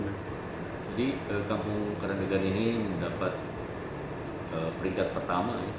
jadi kampung kerandegan ini mendapat peringkat pertama